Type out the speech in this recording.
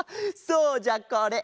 そうじゃこれ。